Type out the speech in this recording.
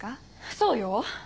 そうよ。